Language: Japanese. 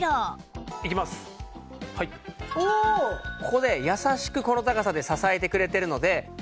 ここで優しくこの高さで支えてくれてるので。